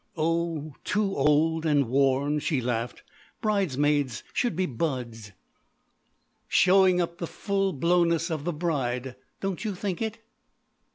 "Oh, too old and worn," she laughed. "Bridesmaids should be buds." "Showing up the full blowness of the bride? Don't you think it!"